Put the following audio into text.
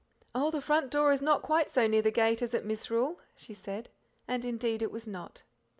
"Oh, the front door is not quite so near the gate as at Misrule," she said. And indeed it was not.